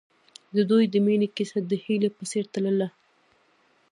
د دوی د مینې کیسه د هیلې په څېر تلله.